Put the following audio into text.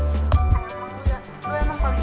kamu emang polis kan